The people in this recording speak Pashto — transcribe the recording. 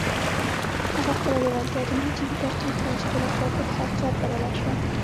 هغه خپله لېوالتیا دومره جدي تعقيب کړه چې بالاخره پر حقيقت بدله شوه.